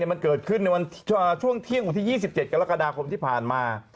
มันเกิดขึ้นในช่วงเที่ยงวันที่๒๗กรกฎาคมที่ผ่านมา